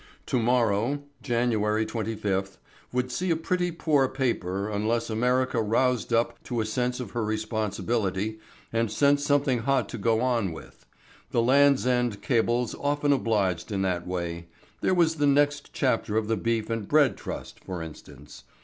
To morrow January 25th would see a pretty poor paper unless America roused up to a sense of her responsibility and sent something hot to go on with. The Land's End cables often obliged in that way. There was the next chapter of the Beef and Bread Trust, for instance.